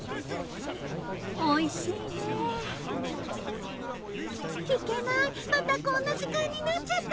おいしいねいけないまたこんな時間になっちゃった！